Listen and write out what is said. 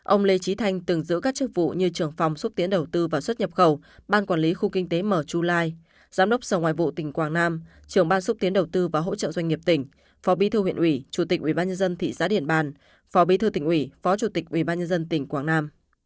ông lê trí thanh từng giữ các chức vụ như trưởng phòng xúc tiến đầu tư và xuất nhập khẩu ban quản lý khu kinh tế mở chu lai giám đốc sở ngoại vụ tỉnh quảng nam trưởng ban xúc tiến đầu tư và hỗ trợ doanh nghiệp tỉnh phó bí thư huyện ủy chủ tịch ủy ban nhân dân thị xã điện bàn phó bí thư tỉnh ủy phó chủ tịch ủy ban nhân dân tỉnh quảng nam